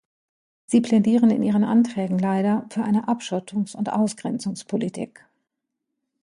Sie plädieren in Ihren Anträgen leider für eine Abschottungs- und Ausgrenzungspolitik.